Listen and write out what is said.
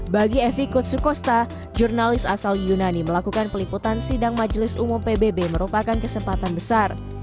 bagi evi kutsukosta jurnalis asal yunani melakukan peliputan sidang majelis umum pbb merupakan kesempatan besar